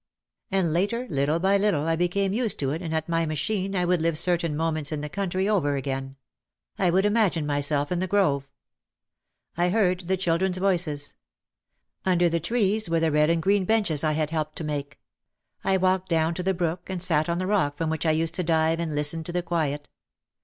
And later little by little I became used to it and at my machine I would live certain moments in the country over again. I would imagine myself in the grove. I heard the children's voices. Under the trees were the red and green benches I had helped to make. I walked down to the brook and sat on the rock from which I used to dive and listen to the quiet.